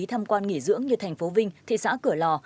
tham quan nghỉ dưỡng như thành phố vinh thị xã cửa lò